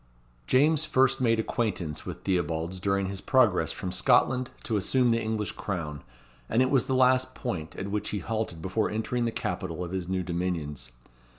James first made acquaintance with Theobalds during his progress from Scotland to assume the English crown, and it was the last point at which he halted before entering the capital of his new dominions.